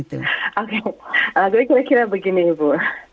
lagunya kira kira begini bu